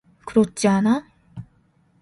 그렇지 않아?